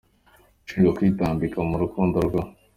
ushinjwa kwitambika mu rukundo rwa.